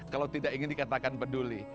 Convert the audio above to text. kalau tidak ingin dikatakan peduli